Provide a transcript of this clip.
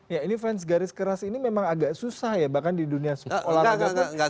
ya ini fans garis keras ini memang agak susah ya bahkan di dunia olahraga